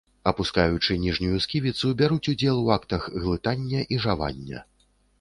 Апускаючы ніжнюю сківіцу бяруць удзел у актах глытання і жавання.